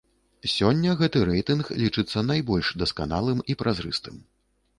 Сёння гэты рэйтынг лічыцца найбольш дасканалым і празрыстым.